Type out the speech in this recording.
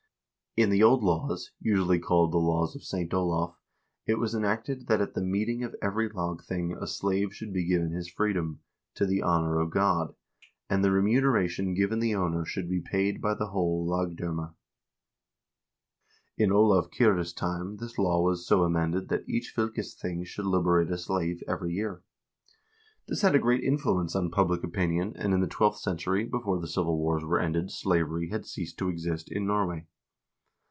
In the old laws, usually called the " Laws of St. Olav," it was enacted that at the meeting of every lagthing a slave should be given his freedom, "to the honor of God," and the remuneration given the owner should be paid by the whole lagdftmme. In Olav Kyrre's time this law was so amended that each fylkesthing should liberate a slave every year.1 This had a great influence on public opinion, and in the twelfth century, before the civil wars were ended, slavery had ceased to exist in Norway.